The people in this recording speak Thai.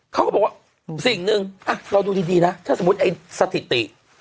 เขาก็บอกว่าสิ่งหนึ่งเราดูดีนะถ้าสมมุติไอ้สถิติ